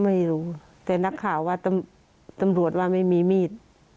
ไม่รู้แต่นักข่าวว่าตำรวจว่าไม่มีมีด